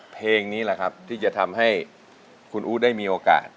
เพลงนี้แหละครับที่จะทำให้คุณอู๋ได้มีโอกาส